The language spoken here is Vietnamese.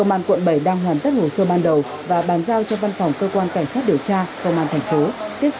anh có đang nghĩ về gia đình mình không